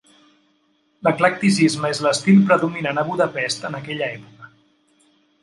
L'eclecticisme és l'estil predominant a Budapest en aquella època.